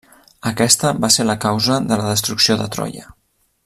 Aquesta va ser la causa de la destrucció de Troia.